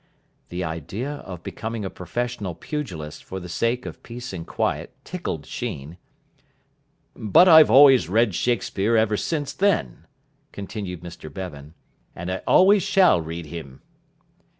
The idea of becoming a professional pugilist for the sake of peace and quiet tickled Sheen. "But I've always read Shakespeare ever since then," continued Mr Bevan, "and I always shall read him."